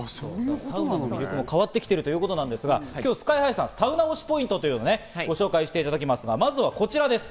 サウナの魅力も変わってきてるということですが、今日ＳＫＹ−ＨＩさん、サウナ推しポイントを紹介していただきます。